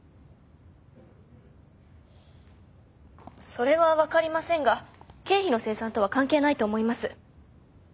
それは分かりませんが経費の精算とは関係ないと思います。